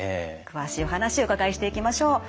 詳しいお話お伺いしていきましょう。